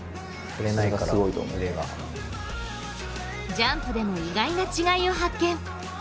ジャンプでも意外な違いを発見。